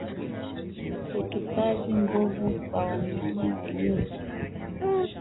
Utupaji mbovu wa wanyama waliokufa